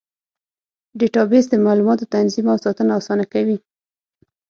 ډیټابیس د معلوماتو تنظیم او ساتنه اسانه کوي.